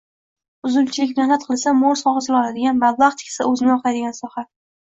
Uzumchilik: mehnat qilsa, mo‘l hosil oladigan, mablag‘ tiksa, o‘zini oqlaydigan sohang